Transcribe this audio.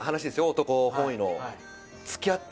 男本意の。